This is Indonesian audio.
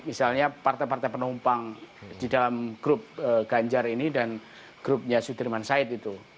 misalnya partai partai penumpang di dalam grup ganjar ini dan grupnya sudirman said itu